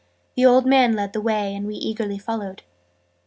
The old man led the way, and we eagerly followed.